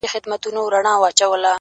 • شاوخوا ټولي سيمي،